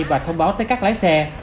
và thông báo tới các lái xe